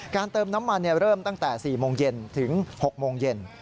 เติมน้ำมันเริ่มตั้งแต่๔โมงเย็นถึง๖โมงเย็น